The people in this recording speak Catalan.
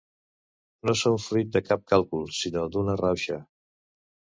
no són fruit de cap càlcul, sinó d'una rauxa